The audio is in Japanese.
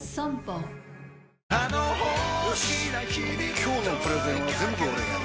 今日のプレゼンは全部俺がやる！